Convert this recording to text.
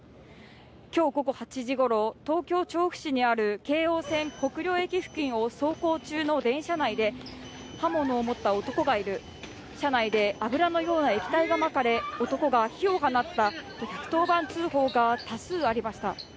今日午後８時ごろ東京・調布市にある京王線国領駅付近を走行中の電車内で刃物を持った男がいる、車内で油のような液体がまかれ男が火を放ったと１１０通報が多数ありました。